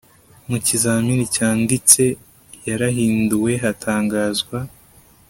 mu kizamini cyanditse yarahinduwe hatangazwa